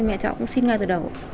mẹ cháu cũng xin ngay từ đầu